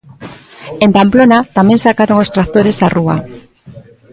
En Pamplona, tamén sacaron os tractores á rúa.